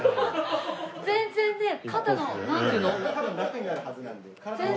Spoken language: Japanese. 全然ね肩のなんていうの？